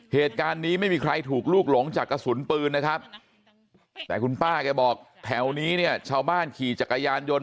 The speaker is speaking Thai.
เหตุการณ์นี้ไม่มีใครถูกลูกหลงจากกระสุนปืนนะครับแต่คุณป้าแกบอกแถวนี้เนี่ยชาวบ้านขี่จักรยานยนต์